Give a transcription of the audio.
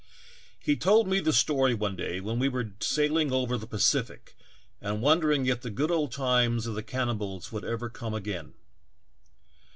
He told me the story one day when we were sailing CAPTURED BY CANNIBALS. 51 over the Pacific, and wondering if the good old times of the cannibals would ever come again.